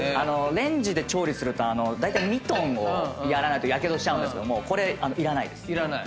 レンジで調理するとだいたいミトンをやらないとやけどしちゃうんですけどもこれいらないです。